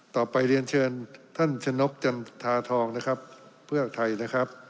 ต่อไปเรียนเชิญท่านชนกจันทาทองนะครับเพื่อไทยนะครับ